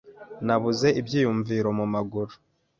Nabuze ibyiyumvo mumaguru.